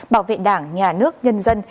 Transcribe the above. bảo vệ đảng nhà nước nhân dân